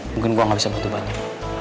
mungkin gue gak bisa butuh banyak